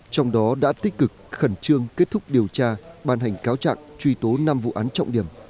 trong đó đã tích cực khẩn trương kết thúc điều tra ban hành cáo trạng truy tố năm vụ án trọng điểm